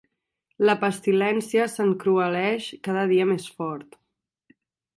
La pestilència s'encrueleix cada dia més fort.